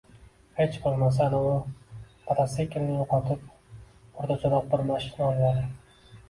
Hech bo‘lmasa, anavi matasekilni yo‘qotib, o‘rtacharoq bir mashina olvoling